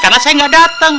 karena saya gak dateng